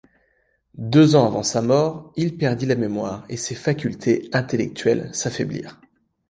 Deux ans avant sa mort, il perdit la mémoire et ses facultés intellectuelles s’affaiblirent.